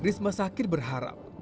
risma sakir berharap